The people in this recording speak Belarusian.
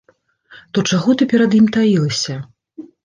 То чаго ты перад ім таілася?